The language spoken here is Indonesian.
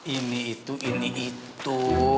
ini itu ini itu